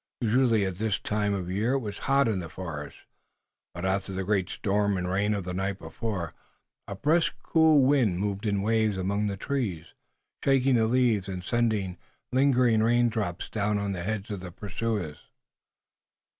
Usually at this time of the year it was hot in the forest, but after the great storm and rain of the night before a brisk, cool wind moved in waves among the trees, shaking the leaves and sending lingering raindrops down on the heads of the pursuers.